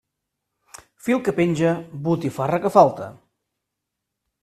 Fil que penja, botifarra que falta.